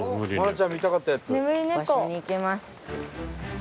場所に行けます。